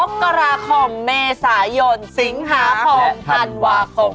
มกระครเนสะยนย์สิงหะครพันวาคร